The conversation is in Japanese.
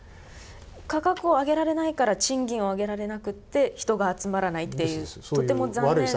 価格を上げられないから賃金を上げられなくて人が集まらないっていうとても残念なサイクルに。